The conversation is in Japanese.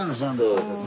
そうです。